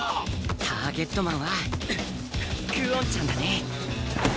ターゲットマンは久遠ちゃんだね。